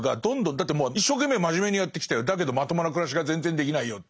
だってもう一生懸命真面目にやってきたよだけどまともな暮らしが全然できないよっていう。